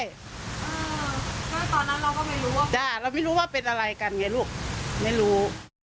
ตอนนั้นเราก็ไม่รู้ว่าเป็นอะไรกันไงลูกไม่รู้